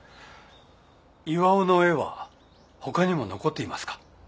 巌の絵は他にも残っていますか？